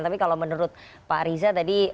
tapi kalau menurut pak riza tadi